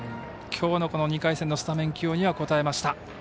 きょうの２回戦のスタメン起用には応えました。